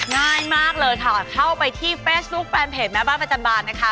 ง่ายมากเลยค่ะเข้าไปที่เฟซบุ๊คแฟนเพจแม่บ้านประจำบานนะคะ